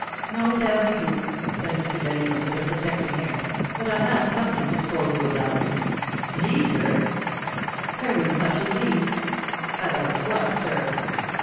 "No, Père Micou," said M. Badinot, with a protecting air, "but I have something to scold you about." "Me, sir?" "Very much, indeed." "About what, sir?"